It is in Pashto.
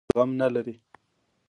د خبرو زغم نه لري.